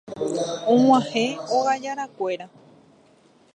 og̃uahẽ ogajarakuéra.